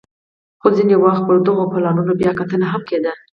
خو ځیني وخت به پر دغو پلانونو بیا کتنه هم کېده